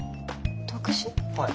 はい。